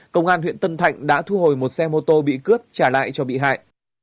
công an huyện tân thạnh đã thu hồi một xe mô tô bị cướp trả lại cho bị hại